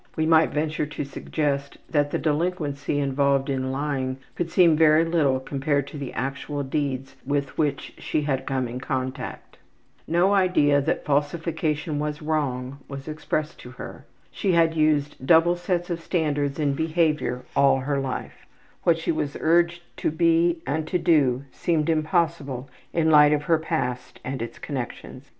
We might venture to suggest that the delinquency involved in lying could seem very little compared to the actual deeds with which she had come in contact. No idea that falsification was wrong was expressed by her. She had used double sets of standards in behavior all through her life. What she was urged to be and to do seemed impossible in the light of her past and its connections.